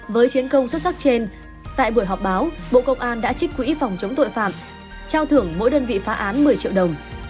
với chiến công xuất sắc trên tại buổi họp báo bộ công an đã trích quỹ phòng chống tội phạm trao thưởng mỗi đơn vị phá án một mươi triệu đồng